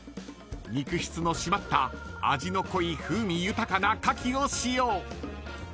［肉質の締まった味の濃い風味豊かなカキを使用］